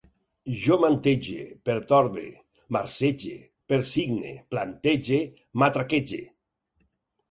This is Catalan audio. Jo mantege, pertorbe, marcege, persigne, plantege, matraquege